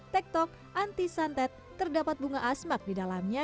tek tok antisantet terdapat bunga asmak di dalamnya